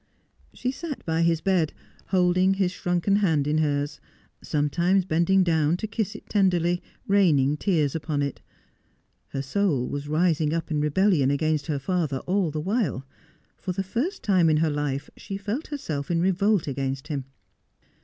She sat by his bed, holding his shrunken hand in hers, some times bending down to kiss it tenderly, raining tears upon it. Her soul was rising up in rebellion against her father all the while. For the first time in her life she felt herself in revolt against him.